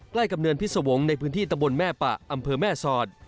ใกล้กับเนินพิษวงศ์ในพื้นที่ตะบนแม่ปะอำเภอแม่สอด